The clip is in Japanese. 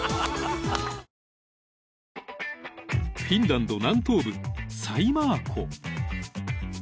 ［フィンランド南東部サイマー湖］